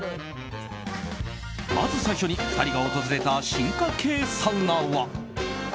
まず最初に２人が訪れた進化系サウナは。